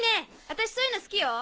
私そういうの好きよ。